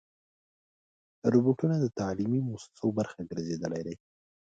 روبوټونه د تعلیمي مؤسسو برخه ګرځېدلي دي.